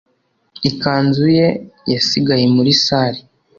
ikanzu ye yasigaye muri salle